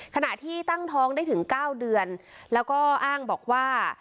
ขณะที่ตั้งท้องได้ถึง๙เดือนแล้วก็อ้างบอกว่า